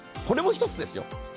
これも一つですよ。